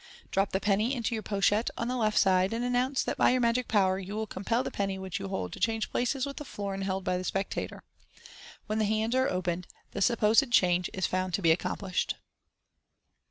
Drop the penny into your pochette on the left side, and announce that by your magic power you will compel the penny which you hold to change places with the florin held by the spectator. When the hands are opened, the supposed change is found to be accomplished.